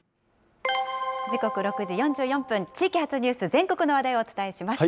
時刻６時４４分、地域発ニュース、全国の話題をお伝えします。